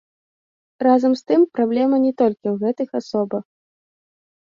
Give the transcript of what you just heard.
Разам з тым, праблема не толькі ў гэтых асобах.